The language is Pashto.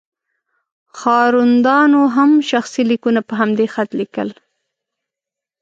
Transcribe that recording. ښاروندانو هم شخصي لیکونه په همدې خط لیکل.